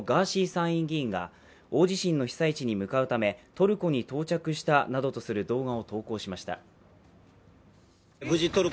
参院議員が大地震の被災地に向かうため、トルコに到着したなどとする動画を投稿しました。